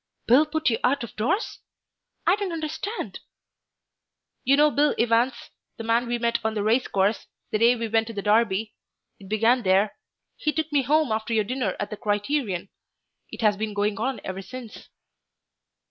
"Bill put you out of doors? I don't understand." "You know Bill Evans, the man we met on the race course, the day we went to the Derby.... It began there. He took me home after your dinner at the 'Criterion.'... It has been going on ever since."